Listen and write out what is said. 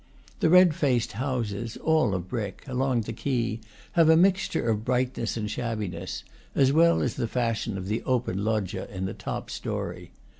The red faced houses all of brick along the quay have a mixture of brightness and shabbiness, as well as the fashion of the open loggia in the top story.